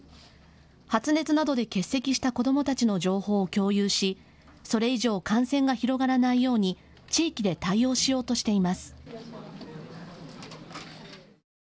発熱などで欠席した子どもたちの情報を共有し、それ以上感染が広がらないように地域で対応しようとしています。